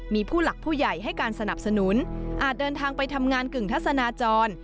มีผู้หลักผู้ใหญ่ให้การสนับสนุนอาจเดินทางไปทำงานกึ่งทัศนาจร